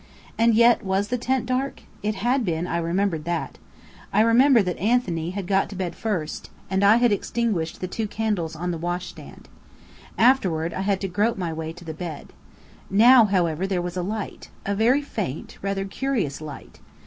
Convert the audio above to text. And yet, was the tent dark?...It had been, I remembered that. I remembered that Anthony had got to bed first, and I had extinguished the two candles on the washhand stand. Afterward, I had had to grope my way to the bed. Now, however, there was a light...a very faint, rather curious light.